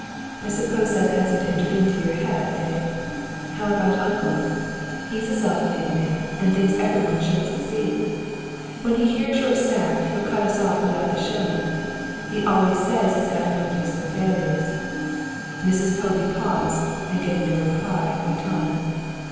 "I suppose that hasn't entered into your head, eh? How about uncle? he's a self made man and thinks everyone should succeed. When he hears you're sacked he'll cut us off without the shilling. He always says he's got no use for failures." Mrs. Povey paused, and getting no reply went on.